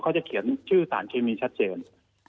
จะเขียนชื่อสารเคมีชัดเจน